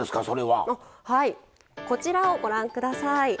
はいこちらをご覧ください。